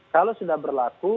kalau sudah berlaku